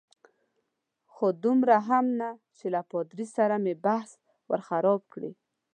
خو دومره هم نه چې له پادري سره مې بحث ور خراب کړي.